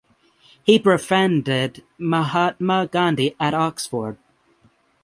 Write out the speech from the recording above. He befriended Mahatma Gandhi at Oxford.